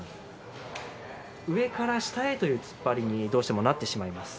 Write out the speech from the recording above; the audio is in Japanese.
上から下へと突っ張りにどうしてもなってしまいます